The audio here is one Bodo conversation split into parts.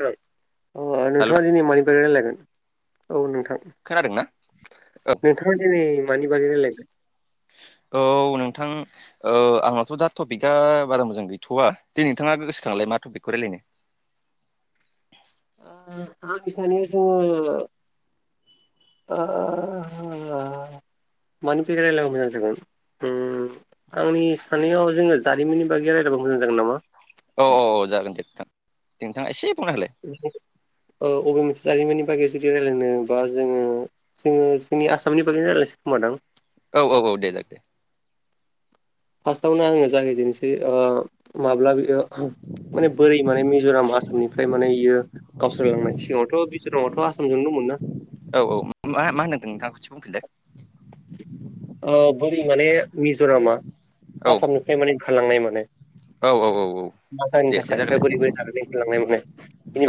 नोंथां औ हेल' नोंथाङा दिनै मानिबागै रायलायगोन औ नोंथां खोनादों ना? नोंथाङा दिनै मानि बागै रायलायगोन? औ नोंथां औ आंनाथ' दा टपिकआ बारा मोजां गैथ'वा दे नोंथाङा बे गोसोखांलाय मा टपिकखौ रायलायनो। ओ आ बिसानो जोङो ओ मानि बागै रायलायबा मोजां जागोन ओम आंनि साननायाव जोङो जारिमिननि बागै रायलायबा मोजां जागोन नामा? औ औ औ जागोन दे नोंथां नोंथाङा एसे बुंंना होलाय। औ अबे मोनसे जारिमिननि बागै जुदि रायलायनो बा जोङो जोङो जोंनि आसामनि बागैनो रायलायनिसै खोमा दां। औ औ औ दे जागोन दे फास्टावनो आङो जागायजेननोसै ओ माब्ला बेयो माने बोरै माने मिज'राम आसामनिफ्राय माने इयो गावस्रालांनाय सिगाङावथ' बिजरामाथ' आसामजोंनो दंङोमोन ना। औ औ मा मा होनदों नोंथां खोनसे बुंफिनलाय। ओ बोरै माने मिज'रामा औ आसामनिफ्राय माने ओंखारलांनाय माने। औ औ औ औ दे एसे जागोनलाय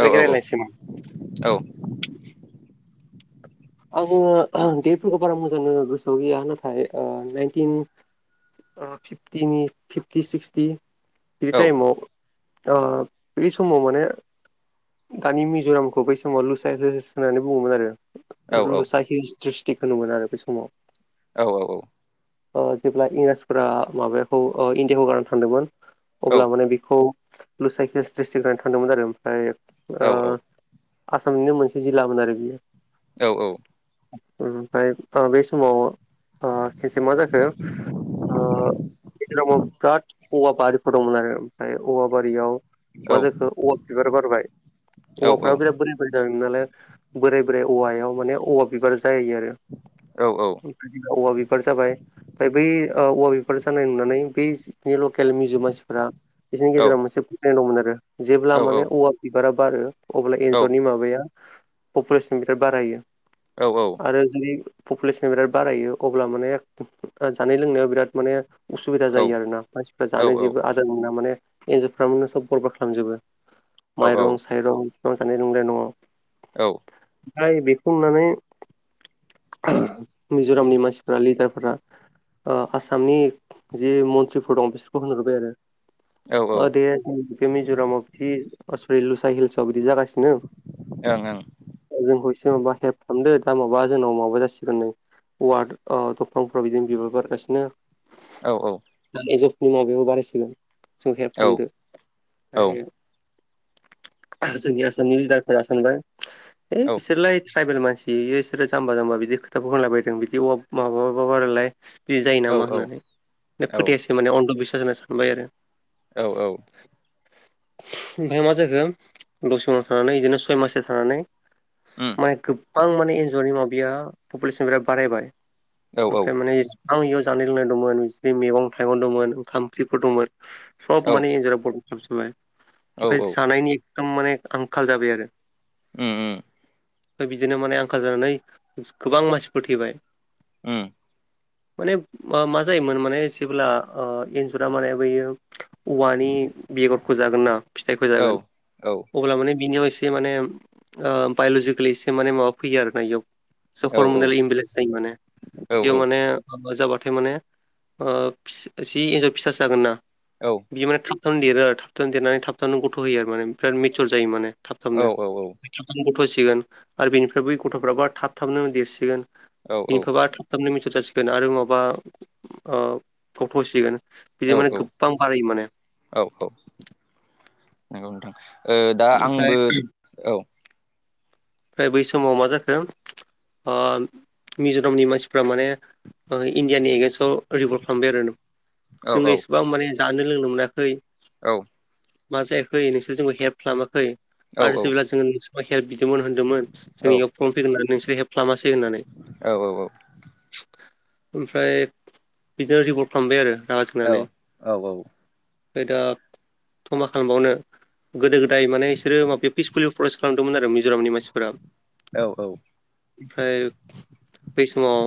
औ औ [unintelligible] औ आङो देटफोरखौ बारा मोजांङैनो गोसोआव गैया नाथाय नाइनटिन ओ फिप्टिनि फिप्टि सिक्सटि बि औ टाइमाव औ बे समाव माने दानि मिज'रामखौ बै समाव लुसाइ गोजोरसिन होननानै बुङोमोन आरो। औ रुलसा हिल्स ड्रिस्टिक होनोमोन आरो बै समाव। औ औ औ अ जेब्ला इंराजफोरा माबाखौ ओ इण्डियाखौ गारनानै थांदोंमोन अब्ला माने बेखौ लुसाइ हिल्स डिस्टिकनिफ्राय थांदोंमोन आरो। ओमफ्राय ओ आसामनिनो मोनसे जिल्लामोन आरो बियो। औ औ ओमफ्राय ओ बे समाव ओ खोनसे मा जाखो ओ गेजेरावबो बिराद औवा बारिफोर दंमोन आरो ओमफ्राय औवा बारियाव मा जाखो औवा बिबार बारबाय औवाफ्राबो बिराद बोरो बै जांनालाय बोराय बोराय औवायाव माने औवा बिबार जायो आरो। औ औ औवा बिबार जाबाय ओमफ्राय बै ओ औवा बिबार जानाय नुनानै बै बिनि लकेल मिउजि मानसिफोरा बिसोरनि गेजेराव मोनसे फोथायनाय दंमोन आरो जेब्ला माने औवा बिबारा बारो अब्ला एन्जरनि माबाया पपुलेसन बिराद बारायो। औ औ आरो जुदि पपुलेसना बिराद बारायो अब्ला माने जानाय लोंनायाव बिराद माने उसुबिदा जायो आरोना मानसिफ्रा जानो जेबो आ मोजां मोना माने एन्जरफ्रा मे सब गरबार खालामजोबो माइरं साइरं न [unintelligible] नंलाय नयाव औ ओमफ्राय बेखौ नुनानै मिज'रामनि मानसिफोरा लिडारफोरा ओ आसामनि जि मन्थ्रिफोर दं बिसोरखौ होनहरबाय आरो अ दे जोंनि बे मिज'रामाव बिदि आसरि लुसा हिल्सआव बिदि जागासिनो ओं ओं जोंखौ एसे माबा हेल्प खालामदो दा माबा जोंनाव माबा जासिगोन नै औवा ओ बिफांफ्रा बिदिनो बिबारबारगासिनो दा एनजरफोरनि माबायाबो बारायसिगोन। जोंखौ हेल्प खालामदो औ औ ओमफाय जोंनि आसामनि लिदारफ्रा सानबाय। है औ बिसोरलाय ट्राइबेल मानसि बिसोरो जाम्बा जाम्बा बिदि खोथाखौ होलायबायदों। बिदि अ माबाबाबोलाय बिदि जायो औ औ नामा होननानै औ फोथायासै माने अन्ध' बिस्सास होनना सानबाय आरो। औ औ ओमफ्राय मा जाखो दसे उनाव थानानै बिदिनो सय मास थानानै ओम माने गोबां माने एन्जरनि माबया पपुलेसन बिराद बारायबाय। औ औ ओमफ्राय माने आं इयाव जानाय लोंनाय दंमोन बिनि मैगं थाइगं दंमोन। ओंखाम ओंख्रिफोर दंमोन सब औ माने एन्जरा बर'साब जाय औ औ ओमफ्राय जानायनि एखदम माने आंखाल जाबाय आरो ओम ओम ओमफ्राय बिदिनो माने आंखाल जानानै गोबां मानसिफोर थैयबाय। ओम माने मा जायोमोन माने जेब्ला ओ ऐन्जरा माने बैयो? औवानि बेगरखौ जागोन ना। औ फिथाइखौजागोन औ अब्ला माने बिनियाव एसे माने बायलजिक गोखलैसे माने माबा फैयो आरो ना बेयाव स औ औ हरमनाेल इमबेलेन्स जायो माने औ बेयाव माने माबा जाबाथाय माने ओ पि जि हिन्जाव फिसा जागोन ना। औव बियो माने थाबनो देरो आरो थाबथाबनो देरनानै थाबथाबनो गथ' होयो आरो माने बिराद मेचयर जायो माने थाब। थाबनो थाबनो गथ'सिगोन आरो बेनिफ्राय बै गथ'फ्राबो थाब थाबनो देरसिगोन। बिनिफबा थाब थाबनो मिटर जासिगोन आरो माबा ओ फथ' होसिगोन बिदि माने गोबां बारायो माने। औ औ नंगौ नोंथां ओ दा ओमफ्राय आंबो औ ओमफ्राय बै समाव मा जाखो? ओ मिज'रामनि मानसिफ्रा माने इण्डियानि एगेन्सटआव रिगल खालामबाय आरो ना औ औ जोंङो एसेबां माने जानो लोंनो मोनाखै। औव माजांयै नोंसोर जोंखौ हेल्प खालामाखै औ आरो जेब्ला जोङो नोंसोरा हेल्प बिदोंमोन। होनदोंमोन औ जोंनियाव फन फैगोन होननानै नोंसोर हे्प खालामासै होननानै। औ औ ओमफ्राय बिदिनो रिपर् खालामबाय आरो रागा औ औ जोंनानै ओमफ्राय दा थमा खालामबावनो गोदो गोदाय माने सोर माब पिसफुलि प्ररेस्ट खालामदोंमोन आरो मिज'रामनि मानसि औ औ ओमफ्राय बै समाव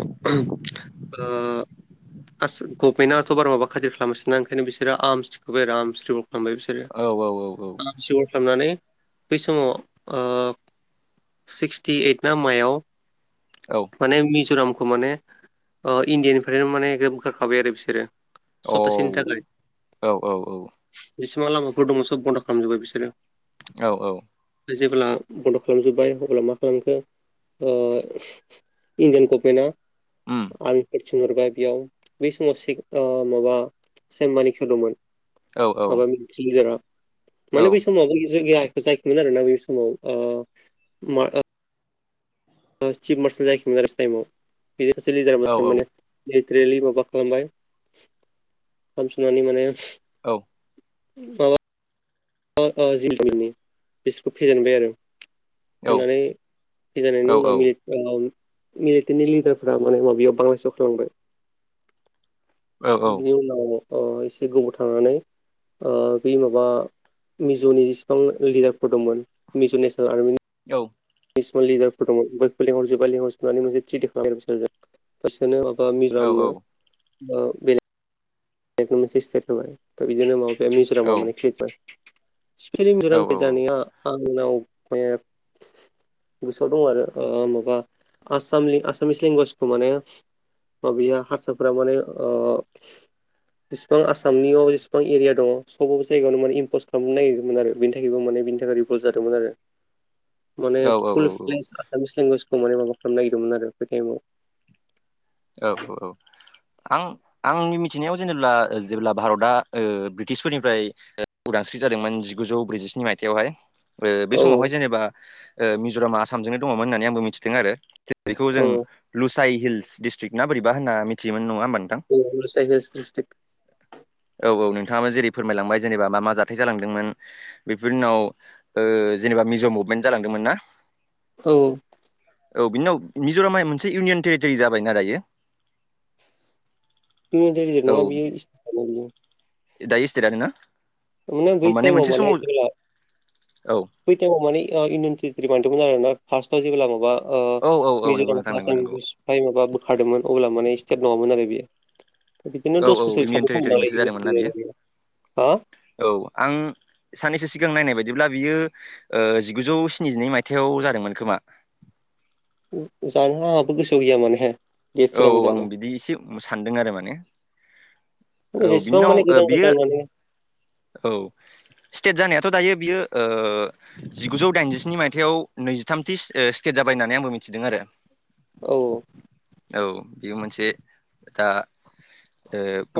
आ गभनेन्टथ' बा मा खथिल खालामनोसोनना ओंखनो बिसोर आरम्रिखौबाय आरो आरमस्रि खालामबाय बिसोरो आ सिगर खालामनानै बै समाव सिक्सटि ओइद ना मायाव औव माने मिज'रामखौ माने इण्डियानिफ्रायनो माने बखाखाबाय आरो बिसोरो सत चनथ थाखाय जेसेबां लामाफोर दंङ सब बन्द' खालामजोबबाय बिसोरो औव औव जेब्ला बड'फा खालामजोब्बाय अब्ला मा खालामखो इण्डियान गभमेन्टआ उम आं थिनहरबाय बेयाव बै समाव माबा सेममानिक स दंमोन। औ औ माबा मिथि ज माने बै सम माबास ग जायाखैमोन आरो ना बे समाव मा चिफ मार्सेल जायाखैमोन आरो बे टाइमाव बिदि सासे औ लिडाराबासो माने लथ्रेलि माबा खालामबाय खालामसुनानै माने औ माबा अ अ जिल दनि बिसोरखौ फेजेनबाय आरो होननानै फजनायनि उनाव मिल मिलइटडनि लिडारफोरा माने माबायाव बांलादेशआव थांलामबाय बिनि उनाव अ एसे गोबाव थांनानै ब माबा मिज'नि जेसेबां लिडारफोर दंमोन मिज' नेसनेल आर्मिनि औ नेसनेल लिदारफोर दङ बयखौ लिंहरजोबा लेंहर सुनानै मोनसे थिटि खालामो बिसोरजों फारसेनो माबा औ मिलामनो बे औ [unintelligible] औ औ सिफलिमजरामखौ जानाया आंनाव गोसोआव दं आरो माबा आसाम आसामिस लेंगुवेजखौ माने औ बियो हारसाफोरा माने जसिबां आसामनियाव जेसेबां एरिया दङ सब जायगायावनो माने इमपस खालामनो नागिरदोंमोन आरो बेनि थाखायबो माने बेनि थाखाय भुल जादोंमोन आरो माने औ फुल फ्लेस आसामिस लेंगुवेज खौ माने माबा खालामनो नागिरदोंमोन आरो बे ताइमाव औ औ आं आंनि मिथिनायाव जेनेब्ला जेब्ला भारतआ ब्रिटिसफोरनिफ्राय उदांस्रि जादोंमोन जिगुजौ ब्रैजिस्नि मायथाइयावहाय ओ बे औ समावहाय जेनेबा मिज'रामा आसामजोंनो दङमोन होननानै आंबो मिथिदों आरो बेखौ औ जों लुसाइ हिल्स डिस्ट्रिक्ट ना बोरैबा होनना मिथियोन नङा होनोमबानदां औ [unintelligible] औ औ नोंथाङाबो जेरै फोरमायलांबाय जेनेबा मा मा जाथाय जालांदोंमोन बेफोर उनाव जेनेबा मिज' मुभमेन्ट जालांदोंमोन ना औ औ बिनिनाव मिज'रामा मोनसे इउनियन टेरिटरि जाबायना दायो औ [unintelligible] [unintelligible] माने बै ताइमाव मोनसे माने समाव जेब्ला औ बै टाइमाव माने इन बान्दोंमोन आर ना फार्टआव जेब्ला माबा औ औ नंगौ मिज'राम नोंथां नंगौ नंगौ [unintelligible] माबा बोखारदोंमोन अब्ला माने स्टेट नङामोन आरो बेयो बिदिनो औ दस औ बोसोर इण्डियान टेरिटरि [unintelligible] मोनसे जादोंमोन ना बियो आरो हा औ आं साननैसो सिगां नायनाय बायदिब्ला बियो जिगुजौ स्निजिनै मायथाइयाव जादोंमोन खोमा जानो आंहाबो गोसोआव गैया माने औ डेटफोरा औ आं मोजांनो बिदि एसे सानदों आरो माने माने औ बिनि जेसेबां माने उनाव गोदान बियो गोदान माने औ स्टेट जानायाथ' दायो बियो जिगुजौ दाइनजिस्नि मायथाइयाव नैजिथामथि स्टेट जाबाय होननानै आंबो मिथिदों आरो औ औ बेयो मोनसे दा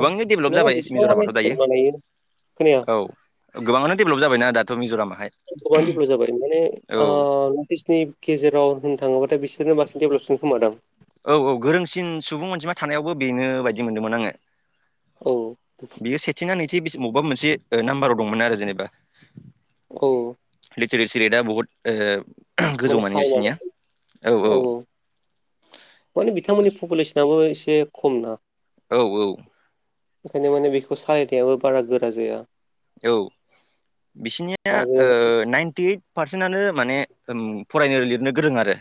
औ डेभेलप माने जाबाय जेसेबां माने मिज'रामाथ' स्टेट दायो बानायो खोनाया औ गोबाङानो डेभेलप जाबायना दाथ' मिज'रामाहाय गोबाङानो डेभेलब जाबाय माने ओ औ [unintelligible] गेजेराव होननो थाङोबाथाय बिसोरनो बांसिन डेभेलपसिन खोमा दां औ औ गोरोंसिन सुबुं अनजिमा थानायावबो बेनो बायदि मोनदोंमोन आङो औ बेयो सेथिना नैथि मबेबा मोनसे नाम्बाराव दंमोन आरो जेनेबा औ लिटेरेसि रेटआ बुहुत गोजौ माने बिसिनिया औ औ माने बिथांमोननि पपुलेसनाबो एसे खम ना औ औ ओंखायनो माने बेखौ सालायनायाबो बारा गोरा जाया औ बिसिनिया आरो ओ नाइन्टि पारसेन्टआनो माने फरायनो लिरनो गोरों आरो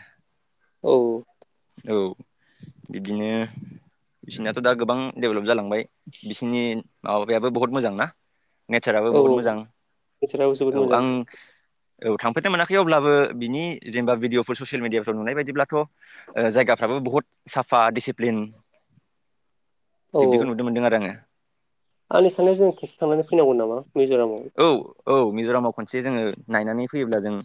औ औ बिब्दिनो बिसिरनाथ' दा गोबां डेभेलप जालांबाय बिसिनि माबायाबो बहुत मोजां ना? नेचाराबो औ बहुत मोजां नेचाराबो जोबोद औ मोजां आं औ थांफेरनो मोनाखै अब्लाबो बिनि जेनेबा भिडिअफोर ससियेल मिडियाफ्राव नुनाय बायदिब्लाथ' जायगाफ्राबो बुहुत साफा डिसिप्लिन [inaudible] औ बिब्दिखौ नुनो मोनदों आरो आङो आंनि साननायाव जों खेबसे थांनानै फैनांगौ नामा मिज'रामाव? औ औ मिज'रामाव खनसे जोङो नायनानै फैयोब्ला जों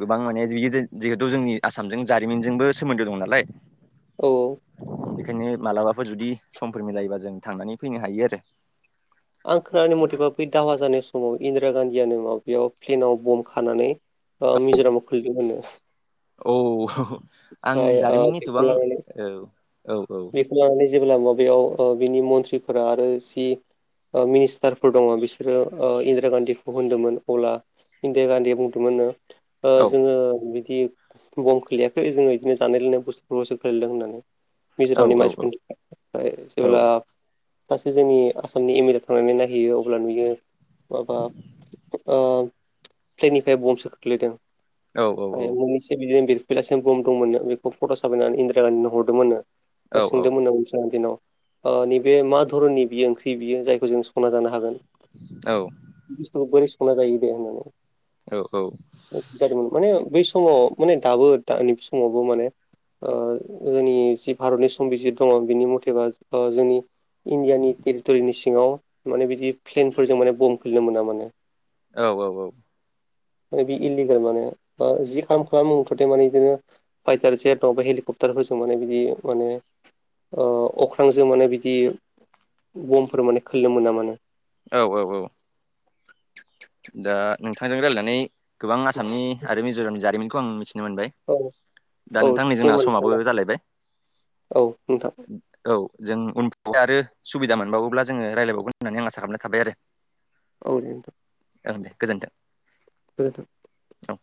गोबां माने जियो जिहेतु जोंनि आसामजों जारिमिनजोंबो सोमोन्दो दं नालाय औ बेखायनो मालाबाफोर जुदि समफोर मिलायोबा जों थांनानै फैनो हायो आरो आं खोनानि मथेबा बै दावहा जानाय समाव इन्दिरा गान्धीयानो माव बेयाव प्लेनाव बम्ब खानानै मिज'रामाव खोलैदों होनो औ आं ओ जारिमिननि एथबां ओ औ औ खौ लानानै जेब्ला माबयाव ओ बिनि मन्थ्रिफोरा आरो जि ओ मिनिस्टारफोर दङ बिसोरो इन्दिरा गान्धीखौ होनदोंमोन अब्ला इन्दिरा गान्धी बुंदोंमोन नो ओ जोङो बिदि बम खोलैयाखै जोङो बिदिनो जानाय लोंनाय बुस्थुफोरखौसो खोलैदों होननानै औ मिज'रामनि मानसिफोरनि थाखाय औ जेब्ला सासे जोंनि आसामनि एम एल ए थांनानै नायहैयो अब्ला नुयो माबा ओ प्लेननिफ्राय बमसो खोख्लैदों औ औ मोननैसो बिदिनो बे बेलासिम बम दंमोननो बेखौ फट' साबायनानै इन्दिरा गान्धीनो हरदोंमोन नो बा सोंदोंमोन नो बै समाव जेन' ओ नैबे मा धरननि बियो ओंख्रि बियो जायखौ जों संना जानो हागोन औ बुस्थुखौ बोरै संना जायो दे होननानै औ औ जादोंमोन माने बै समाव माने दाबो दा नैबे समावबो माने ओ जोंनि जि भारतनि संबिजित दङ बिनि मथेबा जोंनि इण्डियानि टेरिट'रिनि सिङाव माने बिदि प्लेनफोरजों माने बम खोलैनो मोना माने औ औ औ आरो बे इलिगेल माने बा ओ जि खालाम खालाम [unintelligible] माने बिदिनो फाइटार जेरट बे हेलिकप्टारफोरजों माने बिदि माने ओ अख्रांजों माने बिदि बमफोर माने खोलैनो मोना माने औ औ औ दा नोंथांजों रायलायनानै गोबां आसामनि आरो मिज'रामनि जारिमिनखौ आं मिथिनो मोनबाय औ दा औ नोंथां नै दे जोंना होमबा नोंथां समाबो ना जालायबाय औ नोंथां औ जों उन आरो सुबिदा मोनबावोब्ला जोङो रायलायबावगोन होननानै आसा खालामनाय थाबाय आरो औ दे‌ नों थां गोजोन्थों गोजोन्थों। औ